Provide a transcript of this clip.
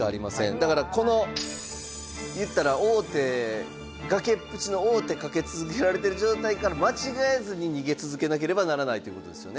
だからこの言ったら王手崖っぷちの王手かけ続けられてる状態から間違えずに逃げ続けなければならないということですよね。